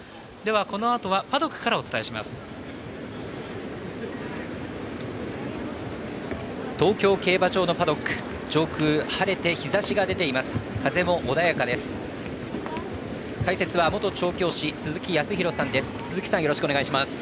このあとはパドックからお伝えします。